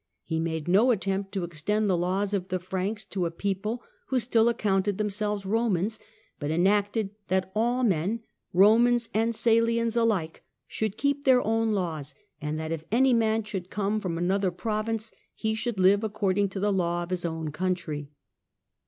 He made no attempt to extend the laws of the Franks to a people who still accounted themselves Eomans, but enacted " that all men, Komans and Salians alike, should keep their own laws, and that if any man should come from another province, he should live according to the law of his own country